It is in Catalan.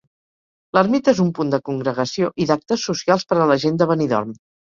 L'ermita és un punt de congregació i d'actes socials per a la gent de Benidorm.